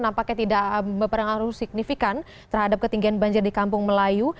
nampaknya tidak berpengaruh signifikan terhadap ketinggian banjir di kampung melayu